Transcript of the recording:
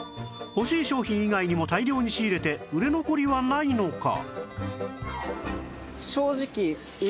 欲しい商品以外にも大量に仕入れて売れ残りはないのか？